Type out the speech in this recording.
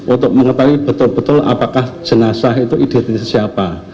untuk mengetahui betul betul apakah jenasa itu identifikasi apa